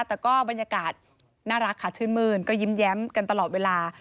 แต่ก็บรรยากาศน่ารักค่ะชื่นมื้นก็ยิ้มแย้มกันตลอดเวลา